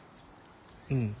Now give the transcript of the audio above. うん。